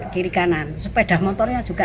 kiri kanan sepeda motornya juga